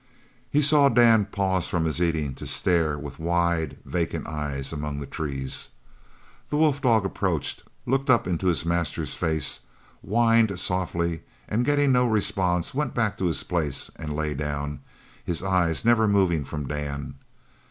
He saw Dan pause from his eating to stare with wide, vacant eyes among the trees. The wolf dog approached, looked up in his master's face, whined softly, and getting no response went back to his place and lay down, his eyes never moving from Dan.